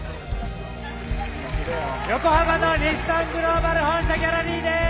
横浜の日産グローバル本社ギャラリーです。